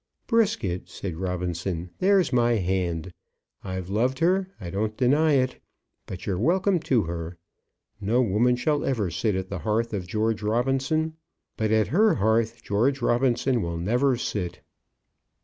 "Brisket," said Robinson, "there's my hand. I've loved her. I don't deny it. But you're welcome to her. No woman shall ever sit at the hearth of George Robinson; but at her hearth George Robinson will never sit."